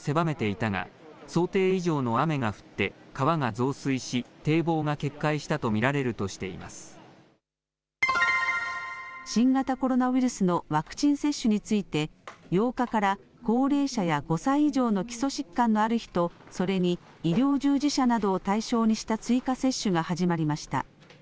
県は過去の雨量を調べたうえで、川幅を狭めていたが、想定以上の雨が降って、川が増水し、堤防が新型コロナウイルスのワクチン接種について、８日から高齢者や５歳以上の基礎疾患のある人、それに医療従事者などを対象にした追加接種が始まりました。